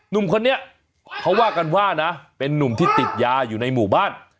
หนุ่มคนนี้เขาว่ากันว่านะเป็นนุ่มที่ติดยาอยู่ในหมู่บ้าน